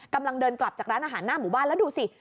กำลังเดินกลับจากร้านอาหารหน้าหมู่บ้านแล้วดูสิ